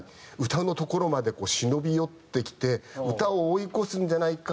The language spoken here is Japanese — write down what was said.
歌のところまでこう忍び寄ってきて歌を追い越すんじゃないか？